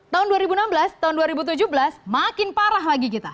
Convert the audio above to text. tahun dua ribu enam belas tahun dua ribu tujuh belas makin parah lagi kita